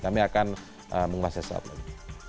kami akan menguasai saat ini